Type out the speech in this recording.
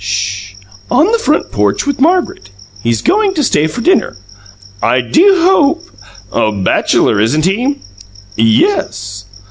"SH! On the front porch with Margaret; he's going to stay for dinner. I do hope " "Bachelor, isn't he?" "Yes."